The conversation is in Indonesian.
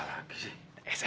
apa lagi sih